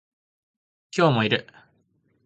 今日もいる